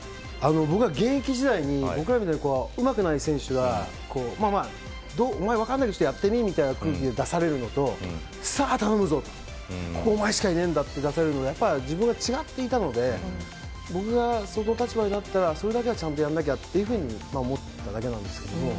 僕が現役時代にうまくない選手がお前、やってみ？みたいな空気でやらされるのとさあ頼むぞ、お前しかいないぞと出されるのはやっぱり自分が違っていたので僕がその立場だったらそれだけはちゃんとやらなきゃと思っていただけなんですけど。